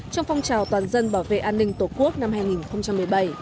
trong phong trào toàn dân bảo vệ an ninh tổ quốc năm hai nghìn một mươi bảy